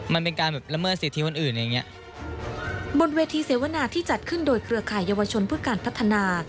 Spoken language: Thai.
มันเป็นการแบบละเมิดสิทธิคนอื่นอย่างเงี้ยบนเวทีเสวนาที่จัดขึ้นโดยเครือข่ายเยาวชนเพื่อการพัฒนา